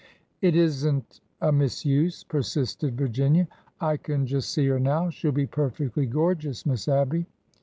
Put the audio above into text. '' It is n't a misuse," persisted Virginia. I can just see her now ! She 'll be perfectly gorgeous. Miss Abby."